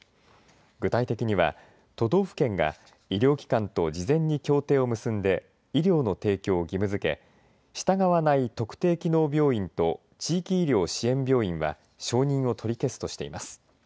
具体的には、都道府県が医療機関と事前に協定を結んで医療の提供を義務づけ従わない特定機能病院と地域医療支援病院は承認を取り消すとしています。